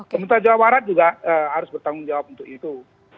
pemerintah jawa barat juga harus bertanggung jawab untuk itu